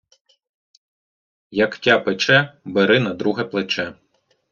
Як тя пече, бери на друге плече!